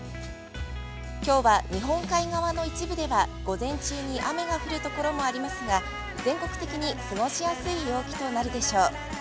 きょうは日本海側の一部では午前中に雨が降る所もありますが全国的に、過ごしやすい陽気となるでしょう。